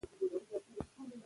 مرسته کول د انسانيت نښه ده.